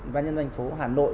và nhân doanh phố hà nội